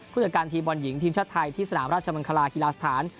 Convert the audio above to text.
ผู้จัดการทีมบอลหญิงทีมชาติไทยที่สนามราชมังคลากีฬาสถาน